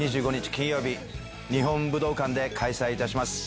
金曜日日本武道館で開催いたします。